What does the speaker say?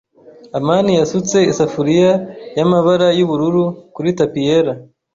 amani yasutse isafuriya yamabara yubururu kuri tapi yera.